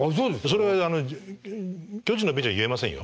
それは巨人のベンチでは言えませんよ。